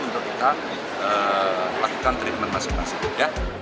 untuk kita lakukan treatment masing masing